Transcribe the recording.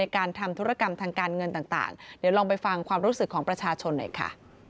การทำธุรกรรมทางการเงินต่างเดี๋ยวลองไปฟังความรู้สึกของประชาชนหน่อยค่ะ